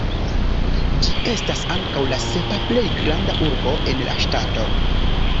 Ĝi estas ankaŭ la sepa plej granda urbo en la ŝtato.